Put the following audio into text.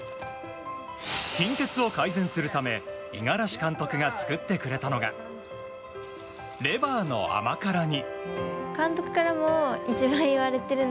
貧血を改善するため五十嵐監督が作ってくれたのはレバーの甘辛煮。